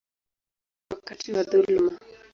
wakati wa dhuluma.